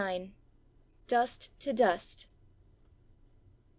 DUST TO DUST.